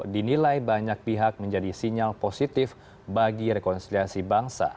dinilai banyak pihak menjadi sinyal positif bagi rekonsiliasi bangsa